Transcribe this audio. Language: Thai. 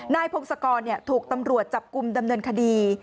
พงศกรถูกตำรวจจับกลุ่มดำเนินคดี